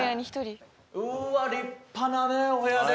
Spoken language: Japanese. うわ立派なねお部屋で。